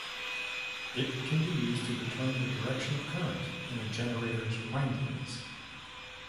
It can be used to determine the direction of current in a generator's windings.